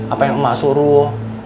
apa yang emak suruh